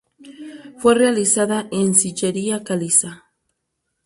Fue realizada en sillería caliza.